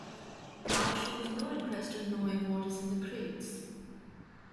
Mal shows no interest in knowing what is in the crates.